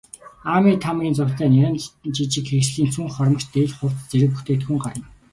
Аами, Таамигийн зурагтай нярайн жижиг хэрэгслийн цүнх, хормогч, дээл, хувцас зэрэг бүтээгдэхүүн гарна.